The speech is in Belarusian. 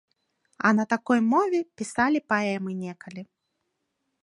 А на такой мове пісалі паэмы некалі.